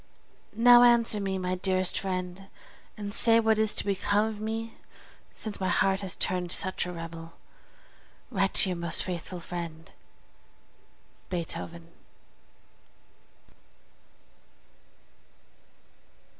Now answer me, my dearest friend, and say what is to become of me since my heart has turned such a rebel. Write to your most faithful friend, BEETHOVEN.